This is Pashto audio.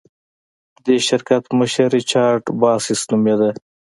د دې شرکت مشر ریچارډ باسس نومېده.